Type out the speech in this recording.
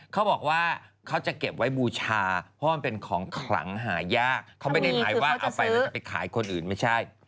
เขาบอกว่าเขาจะเก็บไว้บูชาเพราะมันเป็นของขลังหายากเขาไม่ได้หมายว่าเอาไปแล้วจะไปขายคนอื่นไม่ใช่